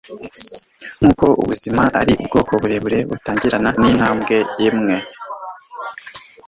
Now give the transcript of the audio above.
nkuko ubuzima ari ubwoko burebure butangirana nintambwe imwe